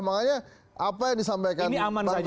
makanya apa yang disampaikan pak daniel ini main aman saja